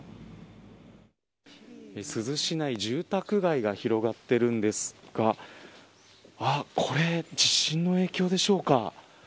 珠洲市内、住宅街が広がっているんですがこれ地震の影響でしょうか。